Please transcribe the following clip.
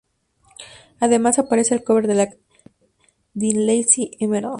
Además, aparece el cover de la canción de Thin Lizzy "Emerald".